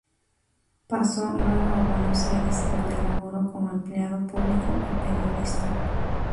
Pasó luego a Buenos Aires, donde laboró como empleado público y periodista.